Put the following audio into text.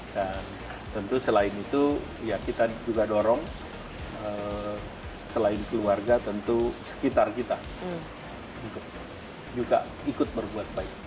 dan tentu selain itu ya kita juga dorong selain keluarga tentu sekitar kita juga ikut berbuat baik